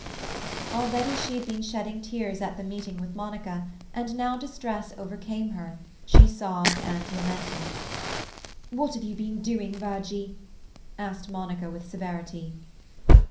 Already she had been shedding tears at the meeting with Monica, and now distress overcame her; she sobbed and lamented. "What have you been doing, Virgie?" asked Monica with severity.